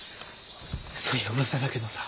そういやうわさだけどさ